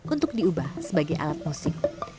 untuk diubah sebagai alat musik